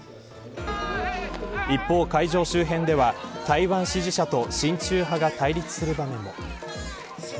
一方、会場周辺では台湾支持者と親中派が対立する場面も。